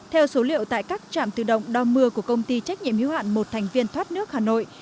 theo số liệu tại các trạm tự động đo mưa của công ty trách nhiệm hiếu hạn một thành viên thoát nước hà nội